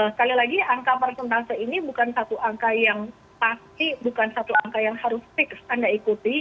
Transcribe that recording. sekali lagi angka persentase ini bukan satu angka yang pasti bukan satu angka yang harus fix anda ikuti